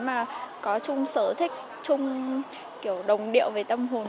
mà có chung sở thích chung kiểu đồng điệu về tâm hồn